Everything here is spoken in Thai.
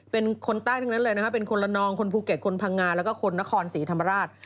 เป็นคนใต้ทั้งนั้นเลยนะครับเป็นคนละนองคนภูเก็ตคนพังงาแล้วก็คนนครศรีธรรมราช